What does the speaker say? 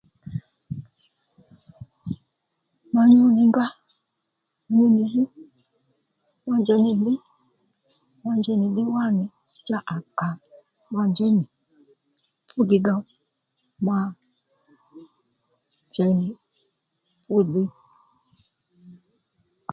Mà nyu nì nga ma nyu nì zz ma njey nì ddiy ma njey nì ddiy wá nì cha à kà ma njey nì fú ddiydho ma njey nì fú dhǐy